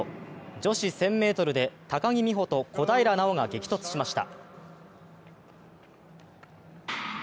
女子１０００メートルで高木美帆と小平奈緒が激突しました。